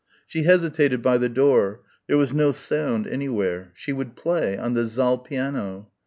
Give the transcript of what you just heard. She hesitated by the door. There was no sound anywhere.... She would play ... on the saal piano.